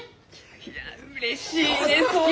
いやうれしいですき！